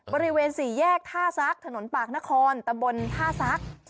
บริเวณสี่แยกท่าซักถนนปากนครตะบนท่าซัก